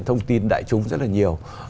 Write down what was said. thông tin đại chúng rất là nhiều